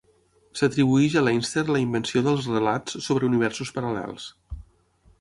S'atribueix a Leinster la invenció dels relats sobre universos paral·lels.